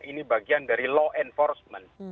ini bagian dari law enforcement